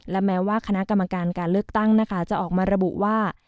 และแม้ว่าคณะกรรมการการเลือกตั้งนะคะจะออกมาระบุว่า